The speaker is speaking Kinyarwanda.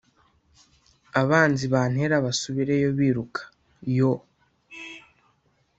abanzi bantera basubireyo biruka, yoo